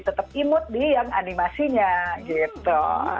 tetap imut di yang animasinya gitu